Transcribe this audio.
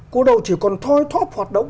cô đầu chỉ còn thôi thoát hoạt động